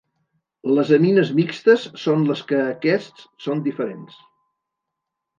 Les amines mixtes són les que aquests són diferents.